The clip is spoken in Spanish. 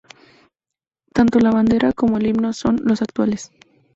Tanto la bandera como el himno son los actuales.